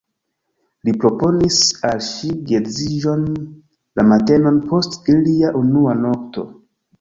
Li proponis al ŝi geedziĝon la matenon post ilia unua nokto.